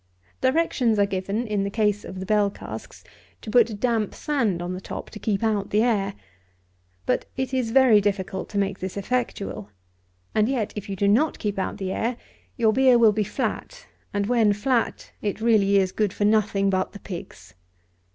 Directions are given, in the case of the bell casks, to put damp sand on the top to keep out the air. But, it is very difficult to make this effectual; and yet, if you do not keep out the air, your beer will be flat; and when flat, it really is good for nothing but the pigs.